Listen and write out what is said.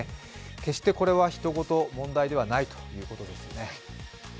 決して、これはひと事の問題ではないということですね。